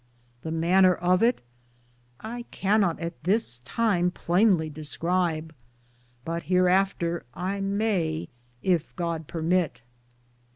The maner of it I cannot at this time playnly discribe, but heareafter I may, yf God permitte.